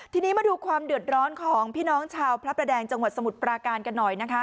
ทีนี้มาดูความเดือดร้อนของพี่น้องชาวพระประแดงจังหวัดสมุทรปราการกันหน่อยนะคะ